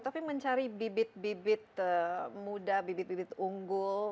tapi mencari bibit bibit muda bibit bibit unggul